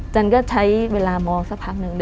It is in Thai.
จันก็ใช้เวลามองสักพักหนึ่ง